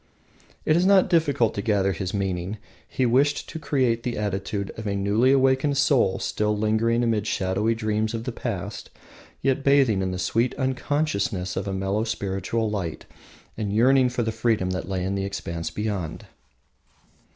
It is not difficult to gather his meaning. He wished to create the attitude of a newly awakened soul still lingering amid shadowy dreams of the past, yet bathing in the sweet unconsciousness of a mellow spiritual light, and yearning for the freedom that lay in the expanse beyond.